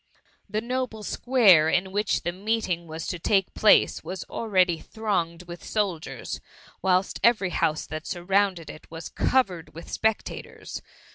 The noble square in which the meeting was to take place, was already thronged with sol diers ; whilst every house that surrounded it was covered with spectators.